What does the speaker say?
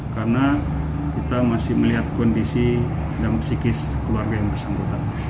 karena kita masih melihat kondisi dan psikis keluarga yang bersangkutan